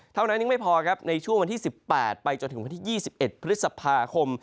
เท่านั้นยังไม่พอครับในช่วงวันที่๑๘ไปจนถึงวันที่๒๑พฤษภาคม